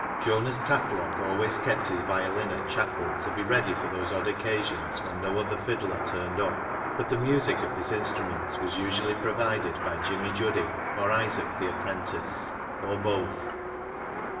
Jonas Tatlock always kept his violin at chapel to be ready for those odd occasions when no other fiddler turned up, but the music of this instrument was usually pro vided by Jimmy Juddy, or Isaac the apprentice, 341 342 BECKSIDE LIGHTS or both.